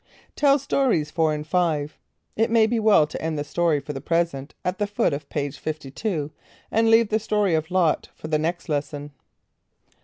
(Tell Stories 4 and 5. It might be well to end the story, for the present, at the foot of page 52, and leave the story of Lot for the next lesson.)